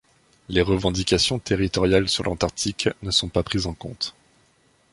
Les revendications territoriales sur l'Antarctique ne sont pas prises en compte.